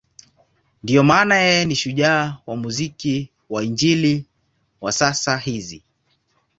Ndiyo maana yeye ni shujaa wa muziki wa Injili wa sasa hizi.